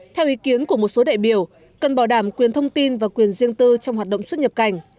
theo ý kiến của một số đại biểu cần bảo đảm quyền thông tin và quyền riêng tư trong hoạt động xuất nhập cảnh